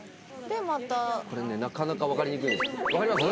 これねなかなか分かりにくいんです分かります？